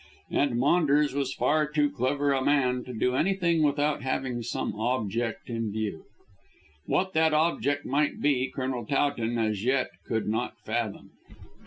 And Maunders was far too clever a man to do anything without having some object in view. What that object might be Colonel Towton as yet could not fathom.